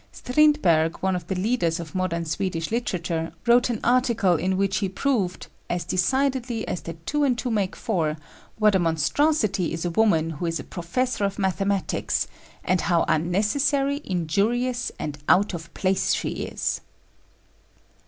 Strindberg, one of the leaders of modern Swedish literature, wrote an article in which he proved, "as decidedly as that two and two make four, what a monstrosity is a woman who is a professor of mathematics, and how unnecessary, injurious and out of place she is."